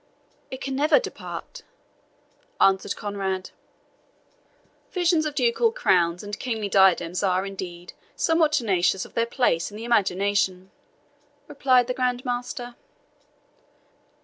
"It never can depart," answered Conrade. "Visions of ducal crowns and kingly diadems are, indeed, somewhat tenacious of their place in the imagination," replied the Grand Master.